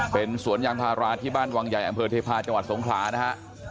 เป็นสวนยางพาราที่บ้านวังใหญ่อำเภอเทพาะจังหวัดสงขลานะฮะ